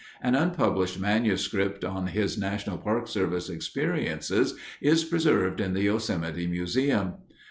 An unpublished manuscript on his National Park Service experiences is preserved in the Yosemite Museum.